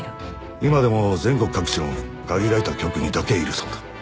今でも全国各地の限られた局にだけいるそうだ。